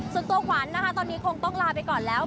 ส่วนตัวขวัญนะคะตอนนี้คงต้องลาไปก่อนแล้ว